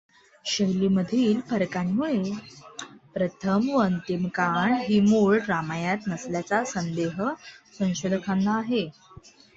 शैलीमधील फरकांमुळे प्रथम व अंतिम कांड ही मूळ रामायणात नसल्याचा संदेह संशोधकांना आहे.